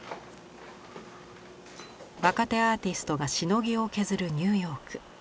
若手アーティストがしのぎを削るニューヨーク。